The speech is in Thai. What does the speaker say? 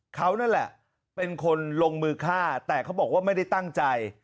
เขานั่นแหละเป็นคนลงมือฆ่าแต่เขาบอกว่าไม่ได้ตั้งใจ